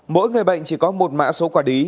mỗi người bệnh chỉ có một mã số quả đí